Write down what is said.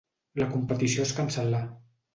La competició es cancel·là.